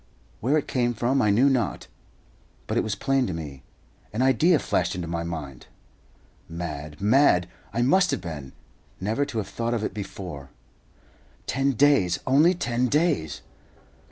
Where it came from I knew not; but it was plain to me. An idea flashed into my mind! Mad, mad, I must have been, never to have thought of it before. Ten days! Only ten days!